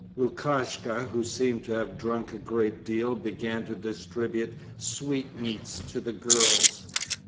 Lukashka, who seemed to have drunk a great deal, began to distribute sweetmeats to the girls.